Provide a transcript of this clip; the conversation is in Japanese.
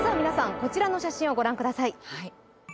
こちらの写真をご覧ください